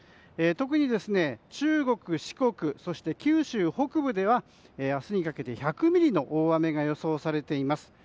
特に中国・四国そして九州北部では明日にかけて１００ミリの大雨が予想されています。